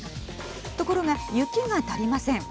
ところが雪が足りません。